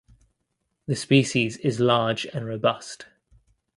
The species is large and robust.